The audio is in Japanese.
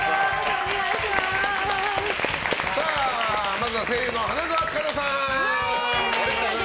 まずは声優の花澤香菜さん。